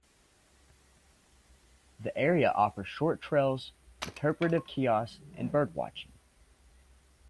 The area offers short trails, interpretive kiosks, and birdwatching.